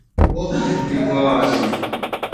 تی گوا آل این